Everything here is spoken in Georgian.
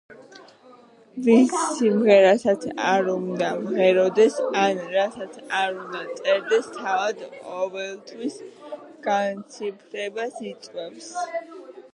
ვის სიმღერასაც არ უნდა მღეროდეს ან რასაც არ უნდა წერდეს თავად, ყოველთვის განცვიფრებას იწვევს.